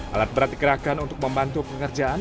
alat berat dikerahkan untuk membantu pengerjaan